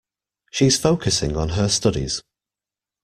She's focusing on her studies.